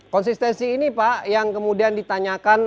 konsistensi ini pak yang kemudian ditanyakan